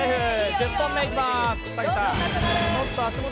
１０本目いきまーす。